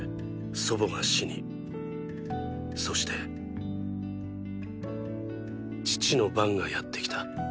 祖母が死にそしてーー父の番がやってきた。